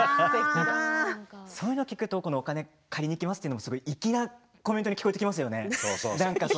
そういうのを聞くとお金を借りに行きますというのも粋なコメントに聞こえてきますね。